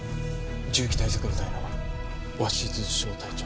銃器対策部隊の鷲頭小隊長。